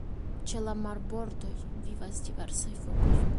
Ĉe la marbordoj vivas diversaj fokoj.